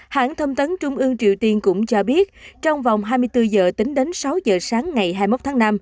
hãng thông tấn trung ương triều tiên cũng cho biết trong vòng hai mươi bốn giờ tính đến sáu giờ sáng ngày hai mươi một tháng năm